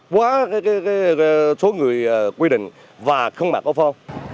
quá số người quy định và không mặc áo phô